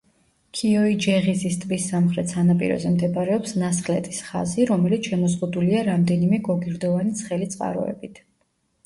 ქიოიჯეღიზის ტბის სამხრეთ სანაპიროზე მდებარეობს ნასხლეტის ხაზი, რომელიც შემოზღუდულია რამდენიმე გოგირდოვანი ცხელი წყაროებით.